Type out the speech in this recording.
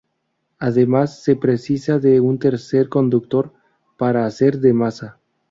Además, se precisa de un tercer conductor para hacer de masa.